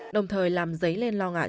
đồng thời làm dấy lên lo ngại